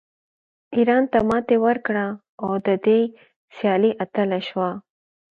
ایران ته ماتې ورکړه او د دې سیالۍ اتله شوه